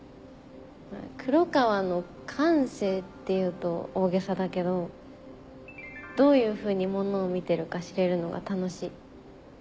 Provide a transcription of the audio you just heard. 黒川の感性って言うと大げさだけどどういうふうにものを見てるか知れるのが楽しい。